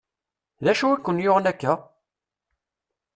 D acu i ken-yuɣen akka?